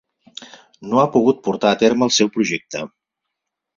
No ha pogut portar a terme el seu projecte.